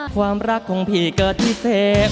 ความรักของพี่เกิดพิเศษ